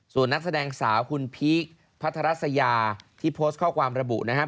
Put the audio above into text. ส่วนนักแสดงสาวคุณพีคพัทรัสยาที่โพสต์ข้อความระบุนะครับ